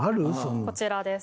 こちらです。